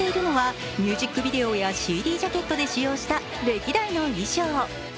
展示されているのはミュージックビデオやＣＤジャケットで使用した歴代の衣装。